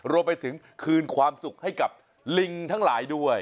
รวมไปถึงคืนความสุขให้กับลิงทั้งหลายด้วย